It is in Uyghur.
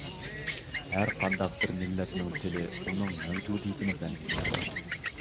ھەرقانداق بىر مىللەتنىڭ تىلى ئۇنىڭ مەۋجۇدىيىتىنى بەلگىلەيدۇ.